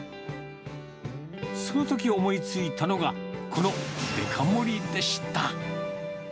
そのとき思いついたのが、このデカ盛りでした。